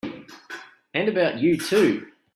And about you too!